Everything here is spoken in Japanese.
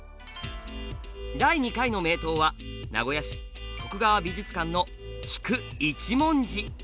第２回の名刀は名古屋市徳川美術館の「菊一文字」。